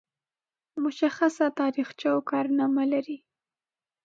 مشخصه تاریخچه او کارنامه لري.